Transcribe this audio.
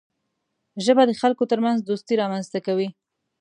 ژبه د خلکو ترمنځ دوستي رامنځته کوي